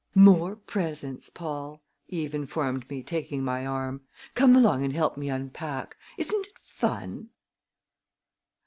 "More presents, Paul!" Eve informed me, taking my arm. "Come along and help me unpack! Isn't it fun?"